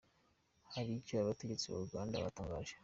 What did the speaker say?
Hari icyo abategetsi ba Uganda batangaza.